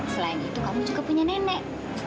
selain itu kami juga punya nenek